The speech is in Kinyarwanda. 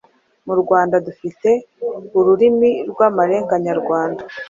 Mu Rwanda dufite Ururimi rw’Amarenga Nyarwanda,